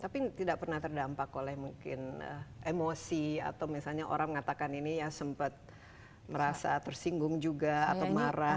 tapi tidak pernah terdampak oleh mungkin emosi atau misalnya orang mengatakan ini ya sempat merasa tersinggung juga atau marah